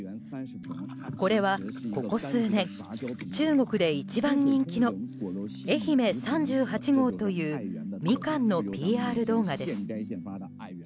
これは、ここ数年中国で一番人気の愛媛３８号というミカンのＰＲ動画です。